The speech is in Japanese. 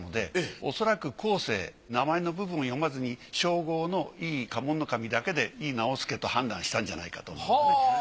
おそらく後世名前の部分を読まずに称号の井伊掃部頭だけで井伊直弼と判断したんじゃないかと。